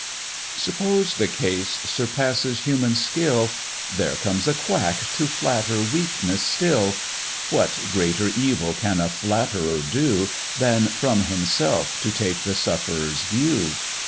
Suppose the case surpasses human skill, There comes a quack to flatter weakness still; What greater evil can a flatterer do, Than from himself to take the sufferer's view?